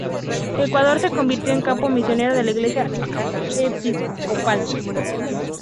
Ecuador se convirtió en campo misionero de la Iglesia episcopal.